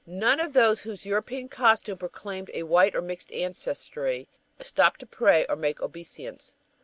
None of those whose European costume proclaimed a white or mixed ancestry stopped to pray or make obeisance.